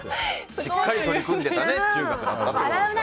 しっかり取り組んでた中学だったってことね。